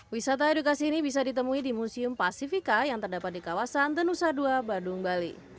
wisata edukasi ini bisa ditemui di museum pasifika yang terdapat di kawasan tenusa dua badung bali